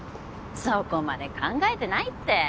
そこまで考えてないって。